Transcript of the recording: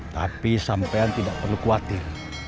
tapi sampean tidak perlu khawatir